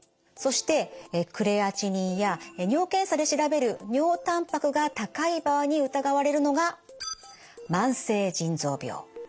そしてクレアチニンや尿検査で調べる尿たんぱくが高い場合に疑われるのが慢性腎臓病。